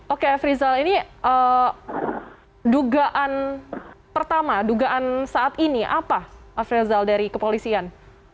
oke f rizal ini dugaan pertama dugaan saat ini apa f rizal dari kepolisian